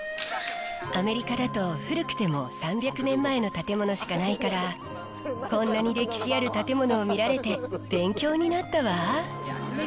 アメリカだと古くても３００年前の建物しかないから、こんなに歴史ある建物を見られて、勉強になったわ。